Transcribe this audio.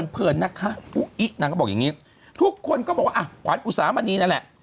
เพลินนะคะอุ๊ยนางก็บอกอย่างงี้ทุกคนก็บอกว่าอ่ะขวัญอุตสามารณีนั่นแหละ